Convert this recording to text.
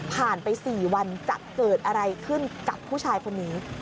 ไป๔วันจะเกิดอะไรขึ้นกับผู้ชายคนนี้